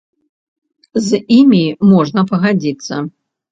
З імі можна пагадзіцца.